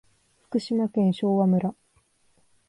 福島県昭和村